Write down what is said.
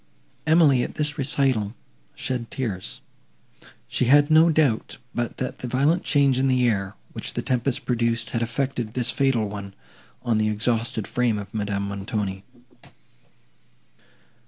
Emily, at this recital, shed tears. She had no doubt but that the violent change in the air, which the tempest produced, had effected this fatal one, on the exhausted frame of Madame Montoni.